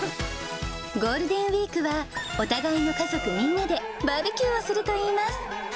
ゴールデンウィークは、お互いの家族みんなでバーベキューをするといいます。